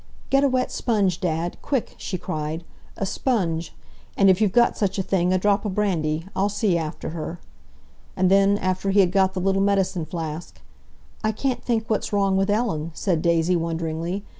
"Get a wet sponge, Dad—quick!" she cried, "a sponge,—and, if you've got such a thing, a drop o' brandy. I'll see after her!" And then, after he had got the little medicine flask, "I can't think what's wrong with Ellen," said Daisy wonderingly.